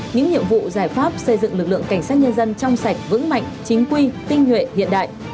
những nhiệm vụ giải pháp xây dựng lực lượng cảnh sát nhân dân trong sạch vững mạnh chính quy tinh nhuệ hiện đại